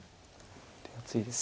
手厚いです。